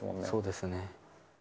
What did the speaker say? そうですね。